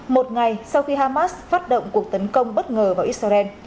một ngày sau khi hamas phát động cuộc tấn công bất ngờ vào israel